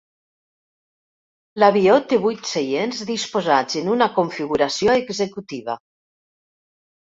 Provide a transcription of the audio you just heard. L'avió té vuit seients disposats en una configuració executiva.